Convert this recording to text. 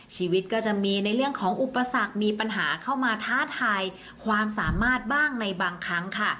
ชีวิตก็จะมีในเรื่องของอุปสรรคมีปัญหาเข้ามาท้าทายความสามารถบ้างในบางครั้งค่ะ